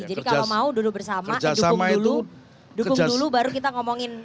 jadi kalau mau duduk bersama dukung dulu baru kita ngomongin